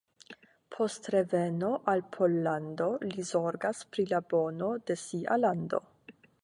Post reveno al Pollando li zorgas pri la bono de sia lando.